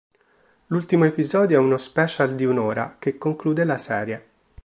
L'ultimo episodio è uno special di un'ora che conclude la serie.